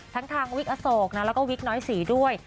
ทั้งทางวิกอโศกนะแล้วก็วิกน้อยศรีด้วย